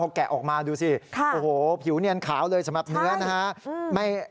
แกะออกมาดูสิโอ้โหผิวเนียนขาวเลยสำหรับเนื้อนะฮะ